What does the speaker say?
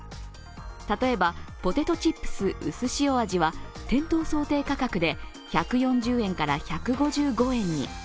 例えばポテトチップスうすしお味は店頭想定価格で１４０円から１５５円に。